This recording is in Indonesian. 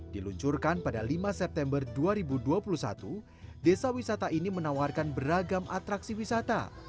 diluncurkan pada lima september dua ribu dua puluh satu desa wisata ini menawarkan beragam atraksi wisata